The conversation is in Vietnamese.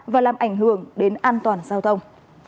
và làm ảnh hưởng đến an toàn giao thông